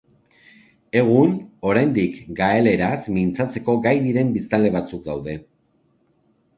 Egun, oraindik gaeleraz mintzatzeko gai diren biztanle batzuk daude.